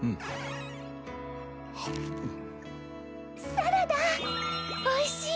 サラダおいしい？